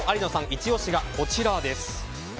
イチ押しがこちらです。